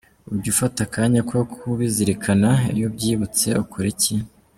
Ujya ufata akanya ko kubizirikana? Iyo ubyibutse ukora iki?.